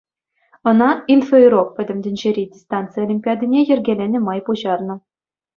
Ӑна «Инфоурок» пӗтӗм тӗнчери дистанци олимпиадине йӗркеленӗ май пуҫарнӑ.